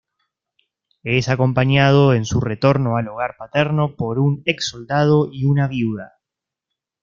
Es acompañado en su retorno al hogar paterno por un exsoldado y una viuda.